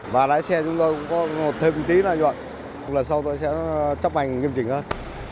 và lái xe chúng tôi cũng có thêm một tí lợi nhuận lần sau tôi sẽ chấp hành nghiêm trình hơn